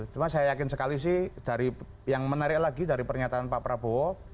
cuma saya yakin sekali sih dari yang menarik lagi dari pernyataan pak prabowo